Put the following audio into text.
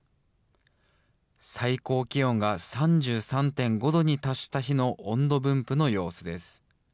最高気温が３３．５度に達した日の温度分布の様子です。